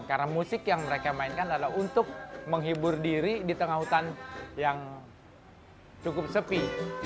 karena musik yang mereka mainkan adalah untuk menghibur diri di tengah hutan yang cukup sepi